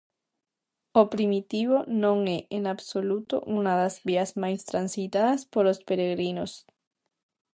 O Primitivo non é en absoluto unha das vías máis transitadas polos peregrinos.